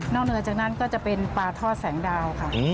เหนือจากนั้นก็จะเป็นปลาทอดแสงดาวค่ะ